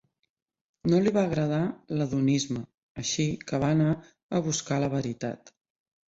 No li va agradar l'hedonisme, així que va anar a buscar la veritat.